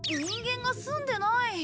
人間が住んでない。